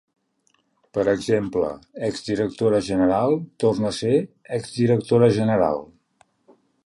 Per exemple, exdirectora general torna a ser ex-directora general.